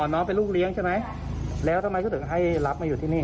น้องเป็นลูกเลี้ยงใช่ไหมแล้วทำไมเขาถึงให้รับมาอยู่ที่นี่